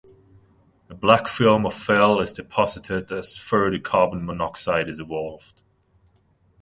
A black film of FeI is deposited as further carbon monoxide is evolved.